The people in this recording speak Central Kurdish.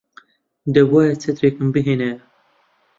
دەبوایە چەترێکم بهێنایە.